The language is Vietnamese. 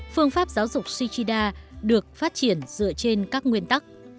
phương pháp giáo dục shichida được phát triển dựa trên các nguyên tắc